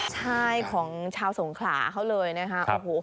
ใช่ของชาวสงขลาเขาเลยนะคะโอ้โห